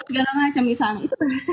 segala macam misalnya itu berhasil